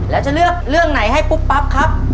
แล้วจะเลือกเรื่องไหนให้ปุ๊บปั๊บครับ